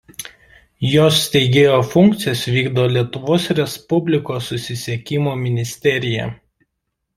Jos steigėjo funkcijas vykdo Lietuvos Respublikos susisiekimo ministerija.